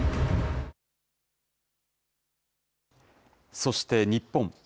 そして日本。